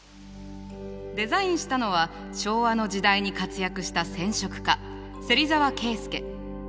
デザインしたのは昭和の時代に活躍した染色家芹沢介。